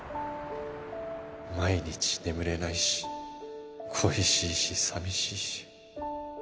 毎日眠れないし恋しいし寂しいし。